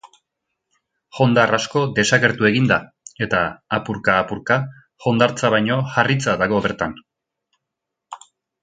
Hondar asko desagertu egin da, eta apurka-apurka hondartza baino harritza dago bertan.